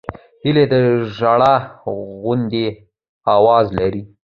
هیلۍ د ژړا غوندې آواز لري